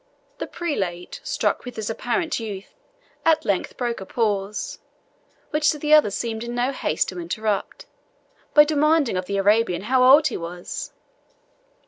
The prelate, struck with his apparent youth, at length broke a pause, which the other seemed in no haste to interrupt, by demanding of the Arabian how old he was?